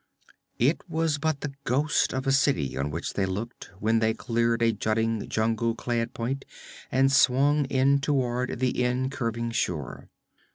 It was but the ghost of a city on which they looked when they cleared a jutting jungle clad point and swung in toward the in curving shore.